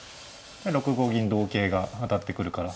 ６五銀同桂が当たってくるから。